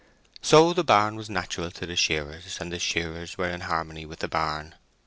So the barn was natural to the shearers, and the shearers were in harmony with the barn.